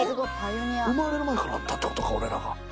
生まれる前からあったってことか俺らが。